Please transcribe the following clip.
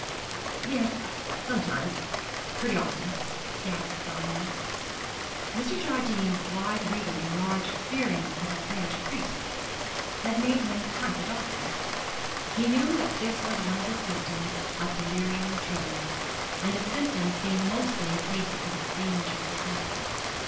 'Yes sometimes pretty often,' gasped Brian. Mr. Jardine's wide reading and large experience as a parish priest had made him half a doctor. He knew that this was one of the symptoms of delirium tremens, and a symptom seen mostly in cases of a dangerous type.